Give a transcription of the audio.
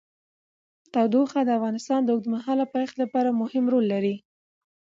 تودوخه د افغانستان د اوږدمهاله پایښت لپاره مهم رول لري.